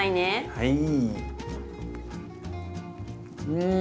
はい。